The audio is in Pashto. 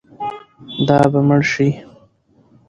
دا به مړ شي.